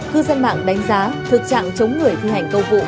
cư dân mạng đánh giá thực trạng chống người thi hành công vụ